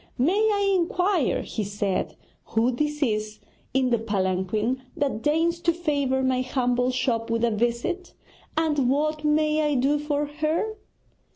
'May I inquire,' he said, 'who this is in the palanquin that deigns to favour my humble shop with a visit? And what may I do for her?'